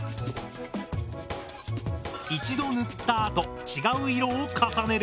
一度塗ったあと違う色を重ねる。